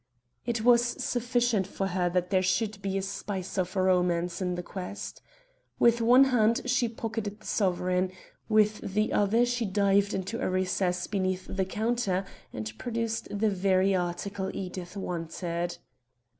It was sufficient for her that there should be a spice of romance in the request. With one hand she pocketed the sovereign; with the other she dived into a recess beneath the counter and produced the very article Edith wanted.